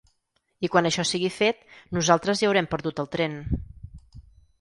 I quan això sigui fet, nosaltres ja haurem perdut el tren.